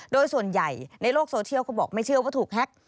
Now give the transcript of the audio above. โดยส่วนใหญ่ในโลกโซเชียลเขาบอกไม่เชื่อว่าถูกแฮ็ก